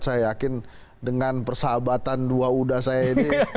saya yakin dengan persahabatan dua uda saya ini